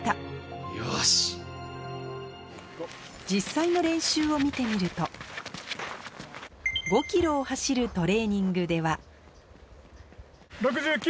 実際の練習を見てみると５ｋｍを走るトレーニングでは６９！